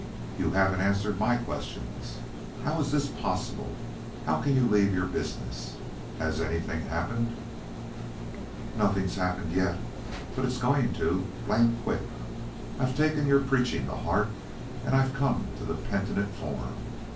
"You haven't answered my questions. How is this possible? How can you leave your business? Has anything happened?" "No, nothing's happened yet, but it's going to, blame quick. I've taken your preaching to heart, and I've come to the penitent form.